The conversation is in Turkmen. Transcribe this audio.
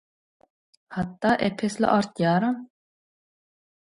Hatda epesli artýaram.